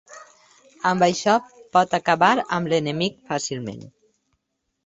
Amb això pot acabar amb l'enemic fàcilment.